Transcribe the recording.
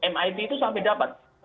mit itu sampai dapat